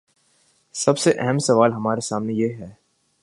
سب سے اہم سوال ہمارے سامنے یہ ہے۔